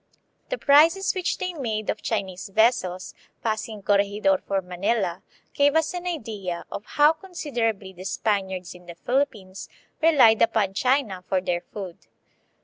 The prizes which they made of Chinese vessels, passing Corregidor for Manila, give us an idea of how consider ably the Spaniards in the Philippines relied upon China for their food.